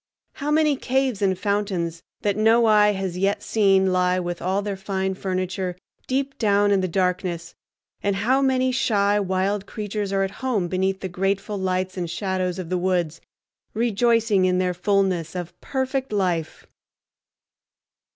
How many caves and fountains that no eye has yet seen lie with all their fine furniture deep down in the darkness, and how many shy wild creatures are at home beneath the grateful lights and shadows of the woods, rejoicing in their fullness of perfect life!